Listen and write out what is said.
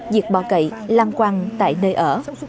diệt bò gãy lan quăng tại nơi ở